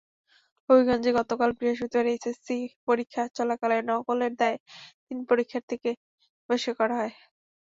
হবিগঞ্জে গতকাল বৃহস্পতিবার এইচএসসি পরীক্ষা চলাকালে নকলের দায়ে তিন পরীক্ষার্থীকে বহিষ্কার করা হয়।